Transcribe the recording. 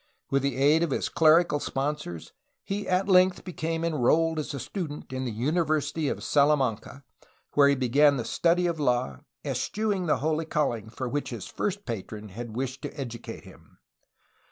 With the aid of his clerical sponsors he at length became en rolled as a student in the University of Salamanca, where he began the study of law, eschewing the holy calling for which his first patron had wished to educate him.